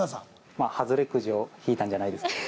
まあ外れクジを引いたんじゃないですか？